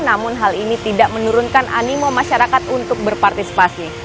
namun hal ini tidak menurunkan animo masyarakat untuk berpartisipasi